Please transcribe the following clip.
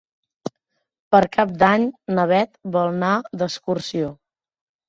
Per Cap d'Any na Bet vol anar d'excursió.